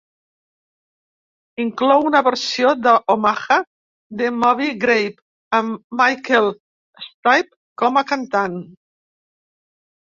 Inclou una versió de "Omaha" de Moby Grape, amb Michael Stipe com a cantant.